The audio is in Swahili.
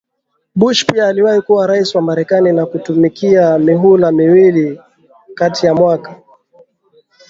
Bush pia aliwahi kuwa rais wa Marekani na kutumikia mihula miwili kati ya mwaka